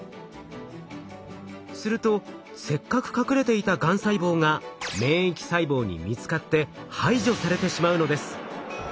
するとせっかく隠れていたがん細胞が免疫細胞に見つかって排除されてしまうのです。